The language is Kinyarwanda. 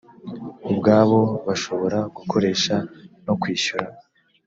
ubwabo bashobora gukoresha no kwishyura.